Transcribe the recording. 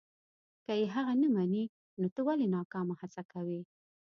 که یې هغه نه مني نو ته ولې ناکامه هڅه کوې.